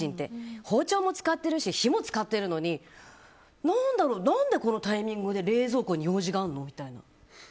包丁も使ってるし火も使ってるのに何でこのタイミングで冷蔵庫に用事があるの？みたいな。